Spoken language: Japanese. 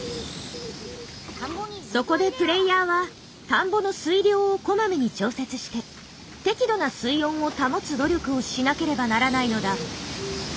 そこでプレイヤーは田んぼの水量をこまめに調節して適度な水温を保つ努力をしなければならないのだ。